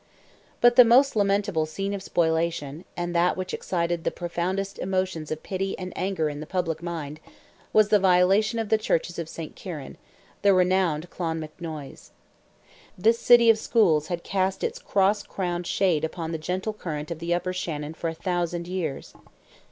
But the most lamentable scene of spoliation, and that which excited the profoundest emotions of pity and anger in the public mind, was the violation of the churches of St. Kieran—the renowned Clonmacnoise. This city of schools had cast its cross crowned shade upon the gentle current of the Upper Shannon for a thousand years.